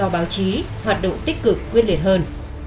báo chí hoạt động tích cực quyết liệt hơn